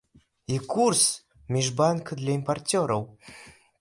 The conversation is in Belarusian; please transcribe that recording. І курс міжбанка для імпарцёраў.